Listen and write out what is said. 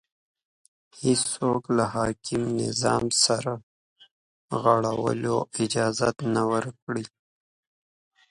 هېڅوک له حاکم نظام سرغړولو اجازه نه ورکړي